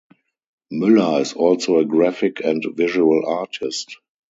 Mueller is also a graphic and visual artist.